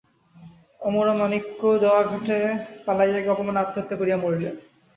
অমরমাণিক্য দেওঘাটে পালাইয়া গিয়া অপমানে আত্মহত্যা করিয়া মরিলেন।